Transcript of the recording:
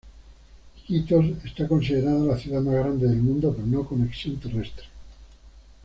Iquitos es considerada la ciudad más grande del mundo por no conexión terrestre.